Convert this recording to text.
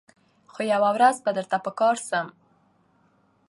خو یوه ورځ به درته په کار سم